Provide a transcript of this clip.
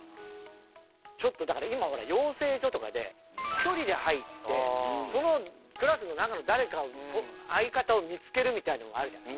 ちょっとだから今ほら養成所とかで１人で入ってクラスの中の誰か相方を見つけるみたいのがあるじゃない。